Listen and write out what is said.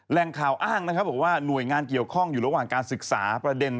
แรงข่าวอ้างนะครับบอกว่าหน่วยงานเกี่ยวข้องอยู่ระหว่างการศึกษาประเด็น